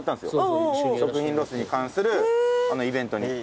食品ロスに関するイベントに。